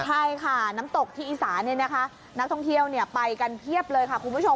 ใช่ค่ะน้ำตกที่อีสานนักท่องเที่ยวไปกันเพียบเลยค่ะคุณผู้ชม